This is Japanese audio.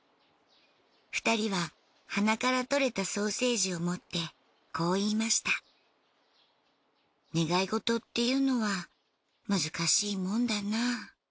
２人は鼻から取れたソーセージを持ってこう言いました願い事っていうのは難しいもんだな。